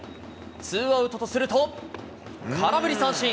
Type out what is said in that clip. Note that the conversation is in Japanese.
ツーアウトとすると、空振り三振。